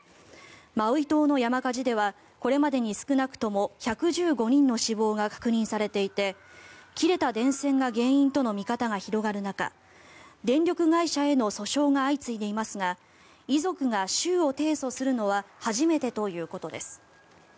マウイ島の山火事ではこれまでに少なくとも１１５人の死亡が確認されていて切れた電線が原因との見方が広がる中電力会社への訴訟が相次いでいますが遺族が州を提訴するのは初めてということです。